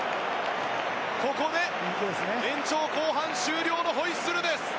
ここで延長後半終了のホイッスルです。